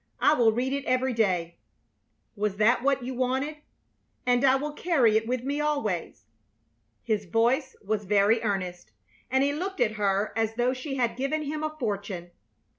I will read it every day. Was that what you wanted? And I will carry it with me always." His voice was very earnest, and he looked at her as though she had given him a fortune.